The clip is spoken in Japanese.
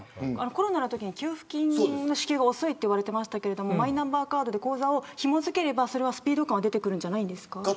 コロナのときに給付金の支給が遅いと言われていましたがマイナンバーカードで口座をひも付ければスピード感が出てくるんじゃないですか。